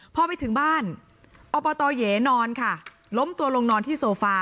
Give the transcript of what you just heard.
พอไปถึงบ้านอบตเหยนอนค่ะล้มตัวลงนอนที่โซฟา